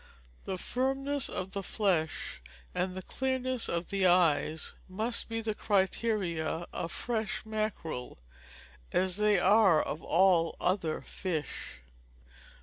The firmness of the flesh and the clearness of the eyes must be the criteria of fresh mackerel, as they are of all other fish.